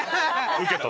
ウケた。